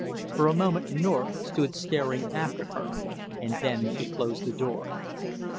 For a moment North stood staring after her, and then he closed the door.